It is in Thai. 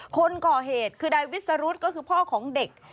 คนก่อเหตุคือนายวิสรุธก็คือพ่อของเด็ก